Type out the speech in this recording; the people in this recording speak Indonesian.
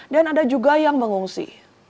dan ada juga yang mengungsi